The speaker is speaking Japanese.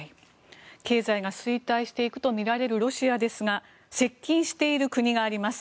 経済が衰退していくとみられるロシアですが接近している国があります。